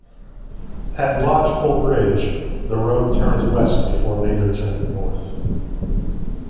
At Lodgepole Bridge, the road turns west before later turning north.